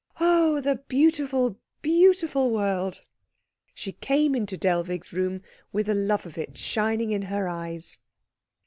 Oh, the beautiful, beautiful world! She came into Dellwig's room with the love of it shining in her eyes.